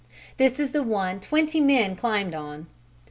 This is the one twenty men climbed on.